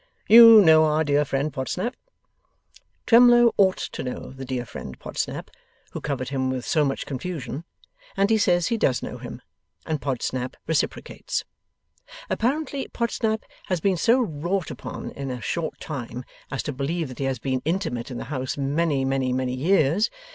You know our dear friend Podsnap?' Twemlow ought to know the dear friend Podsnap who covered him with so much confusion, and he says he does know him, and Podsnap reciprocates. Apparently, Podsnap has been so wrought upon in a short time, as to believe that he has been intimate in the house many, many, many years.